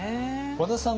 和田さん